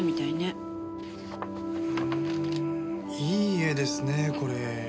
いい絵ですねこれ。